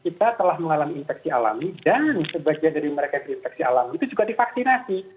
kita telah mengalami infeksi alami dan sebagian dari mereka yang terinfeksi alam itu juga divaksinasi